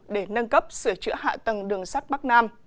để nâng cấp sửa chữa hạ tầng đường sắt bắc nam